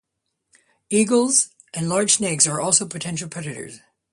Eagles and large snakes are also potential predators.